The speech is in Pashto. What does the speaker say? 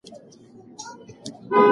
د امبولانس په داخل کې بېلابېل وسایل وو.